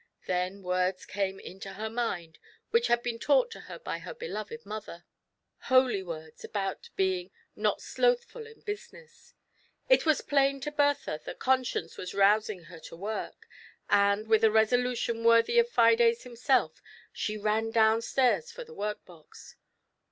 Then words came into her mind which had been taught to her by her beloved mother, holy words about being "not slothful in business;" it was plain to Bertha that Conscience was rousing her to work, and, with a resolution worthy of Fides himself, she ran down stairs for the work box.